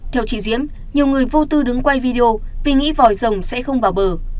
theo chị diễm nhiều người vô tư đứng quay video vì nghĩ vòi rồng sẽ không vào bờ